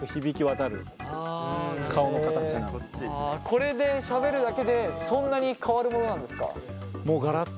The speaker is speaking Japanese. これでしゃべるだけでそんなに変わるものなんですか？